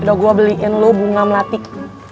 udah gue beliin lo bunga melati